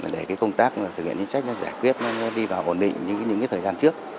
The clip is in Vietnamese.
để công tác thực hiện chính sách giải quyết đi vào ổn định như những thời gian trước